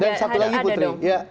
dan satu lagi putri